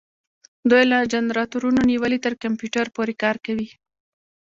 دوی له جنراتورونو نیولې تر کمپیوټر پورې کار کوي.